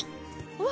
うわ！